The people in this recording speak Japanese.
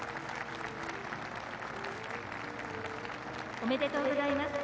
おめでとうございます。